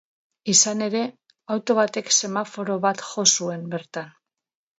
Izan ere, auto batek semaforo bat jo zuen, bertan.